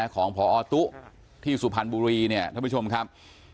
ของพอตุ๊ที่สุพรรณบุรีเนี่ยท่านผู้ชมครับ